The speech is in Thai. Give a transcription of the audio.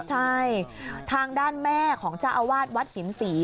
ใช่ทางด้านแม่ของเจ้าอาวาสวัดหินศรี